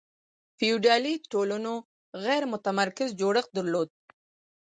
فیوډالي ټولنو غیر متمرکز جوړښت درلود.